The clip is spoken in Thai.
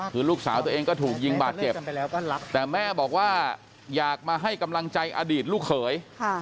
คือลูกสาวตัวเองก็ถูกยิงบาดเจ็บแต่แม่บอกว่าอยากมาให้กำลังใจอดีตลูกเขย